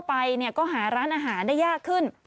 ไปก็หาร้านอาหารได้ยากขึ้น